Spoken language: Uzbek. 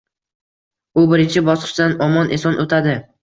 U birinchi bosqichdan omon eson o’tadi.